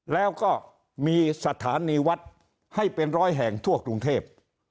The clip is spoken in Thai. แล้วก็มีสถานีวัดให้เป็นร้อยแห่งทั่วกรุงเทพ